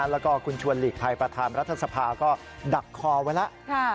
แล้วก็คุณชวนหลีกภัยประธานรัฐสภาก็ดักคอไว้แล้ว